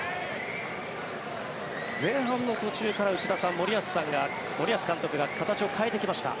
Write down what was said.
前半の途中から、内田さん森保監督が形を変えてきました。